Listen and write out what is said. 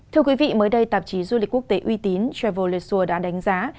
thưa quý vị mới đây tạp chí du lịch quốc tế uy tín travel lesur đã đánh giá